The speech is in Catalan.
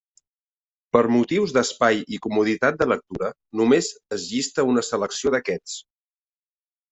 Per motius d'espai i comoditat de lectura només es llista una selecció d'aquests.